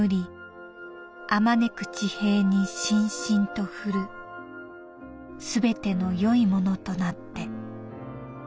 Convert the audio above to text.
あまねく地平にしんしんと降るすべてのよいものとなって」。